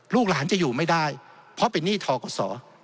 ลูกหลานจะอยู่ไม่ได้เพราะเป็นหนี้ทกศ